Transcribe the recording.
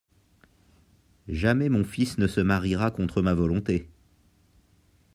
Jamais mon fils ne se mariera contre ma volonté.